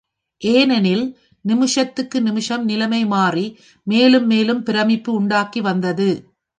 ஏனெனில் நிமிஷத்துக்கு நிமிஷம் நிலைமை மாறி மேலும் மேலும் பிரமிப்பு உண்டாக்கி வந்தது.